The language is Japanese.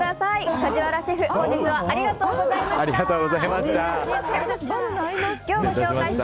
梶原シェフ本日はありがとうございました。